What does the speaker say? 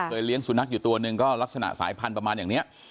เลี้ยงสุนัขอยู่ตัวหนึ่งก็ลักษณะสายพันธุ์ประมาณอย่างนี้